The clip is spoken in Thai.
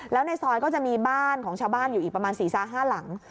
แล้วในซอยก็จะมีบ้านของชาวบ้านอยู่อีกประมาณ๔๕หลัง